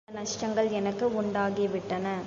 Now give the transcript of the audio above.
இரண்டு வித நஷ்டங்கள் எனக்கு உண்டாகி விட்டன.